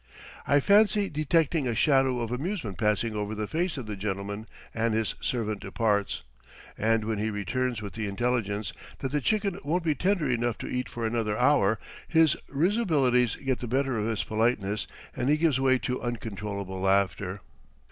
I fancy detecting a shadow of amusement passing over the face of the gentleman as his servant departs, and when he returns with the intelligence that the chicken won't be tender enough to eat for another hour, his risibilities get the better of his politeness and he gives way to uncontrollable laughter.